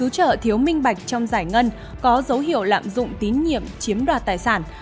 trợ thiếu minh bạch trong giải ngân có dấu hiệu lạm dụng tín nhiệm chiếm đoạt tài sản